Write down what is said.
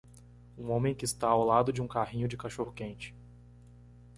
Um homem que está ao lado de um carrinho de cachorro-quente.